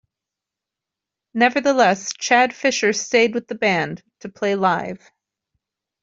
Nevertheless, Chad Fischer stayed with the band to play live.